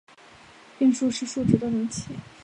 变数是数值的容器。